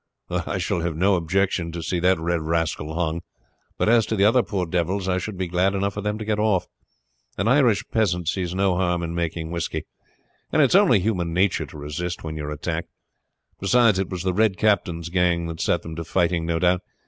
"I shall have no objection to see that red rascal hung; but as to the other poor devils, I should be glad enough for them to get off. An Irish peasant sees no harm in making whisky, and it's only human nature to resist when you are attacked; beside it was the Red Captain's gang that set them to fighting, no doubt.